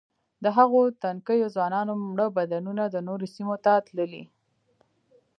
د هغو تنکیو ځوانانو مړه بدنونه د نورو سیمو ته تللي.